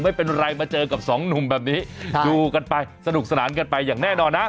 ไม่เป็นไรมาเจอกับสองหนุ่มแบบนี้ดูกันไปสนุกสนานกันไปอย่างแน่นอนนะ